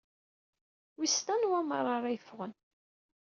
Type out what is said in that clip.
Wissen anwa meṛṛa ara yeffɣen?